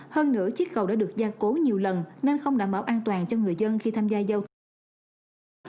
hơn nửa chiếc cầu đã được gia cố nhiều lần nên không đảm bảo an toàn cho người dân khi tham gia giao thông